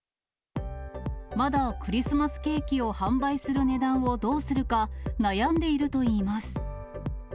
まだクリスマスケーキを販売する値段をどうするか悩んでいるといいます。